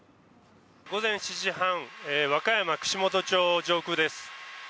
午前７時半、和歌山串本町上空です。